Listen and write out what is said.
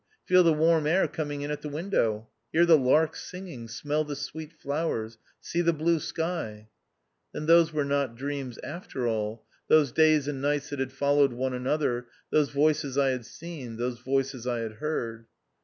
Feel the warm air coming in at the window ; hear the lark singing, smell the sweet flowers, see the blue sky." Then those were not dreams after all, those days and nights that had followed one another, those faces I had seen, those voices I had heard.